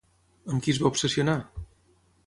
Amb qui es va obsessionar?